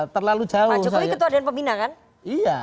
terlalu jauh saya